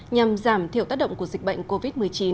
nhằm giảm thiểu tác động của dịch bệnh covid một mươi chín